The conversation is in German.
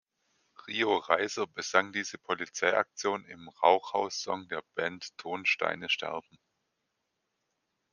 Rio Reiser besang diese Polizeiaktion im Rauch-Haus-Song der Band Ton Steine Scherben.